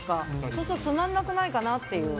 そうするとつまらなくないかなって。